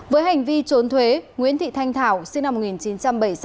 với hành vi trốn thuế nguyễn thị thanh thảo sinh năm một nghìn chín trăm bảy mươi sáu